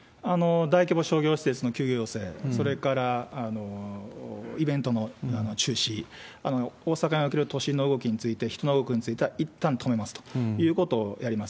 大規模商業施設の休業要請、それからイベントの中止、大阪における都心の動きについて、人の動きについてはいったん止めますということをやります。